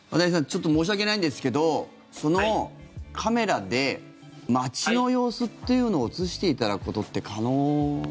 ちょっと申し訳ないんですけどそのカメラで街の様子っていうのを映していただくことって可能かな？